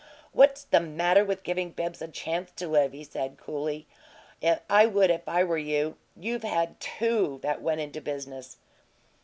"What's the matter with giving Bibbs a chance to live?" he said, coolly. "I would if I were you. You've had TWO that went into business."